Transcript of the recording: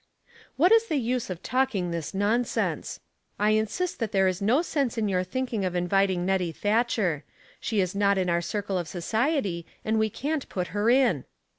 *' What is the use of talking this nonsense. I insist that there is no sense in your thinking of inviting Nettie Thatcher. She is not in our circle of society, and we can't put her in."